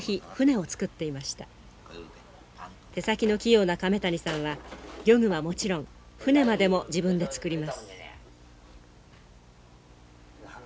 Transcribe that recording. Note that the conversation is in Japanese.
手先の器用な亀谷さんは漁具はもちろん舟までも自分で作ります。